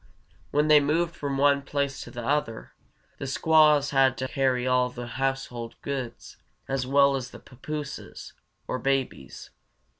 When they moved from one place to another, the squaws had to carry all the household goods, as well as the papooses, or babies.